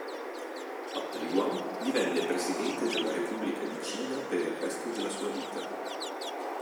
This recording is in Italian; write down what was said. A Taiwan divenne Presidente della Repubblica di Cina per il resto della sua vita.